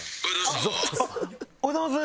おはようございます。